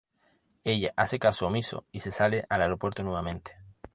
Ella hace caso omiso y se sale al aeropuerto nuevamente.